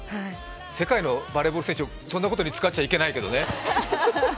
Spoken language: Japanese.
世界のバレーボール選手そんなことに使っちゃいけないね。